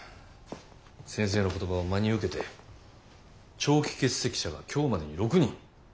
先生の言葉を真に受けて長期欠席者が今日までに６人。